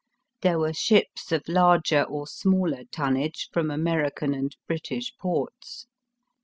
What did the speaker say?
There were ships of larger or smaller tonnage from American and British ports.